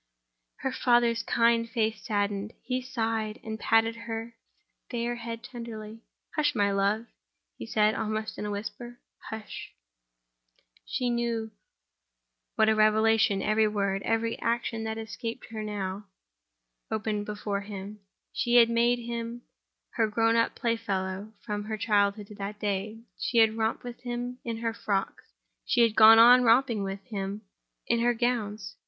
Her father's kind face saddened; he sighed, and patted her fair head tenderly. "Hush, my love," he said, almost in a whisper; "hush!" She little knew what a revelation every word, every action that escaped her, now opened before him. She had made him her grown up playfellow, from her childhood to that day. She had romped with him in her frocks, she had gone on romping with him in her gowns.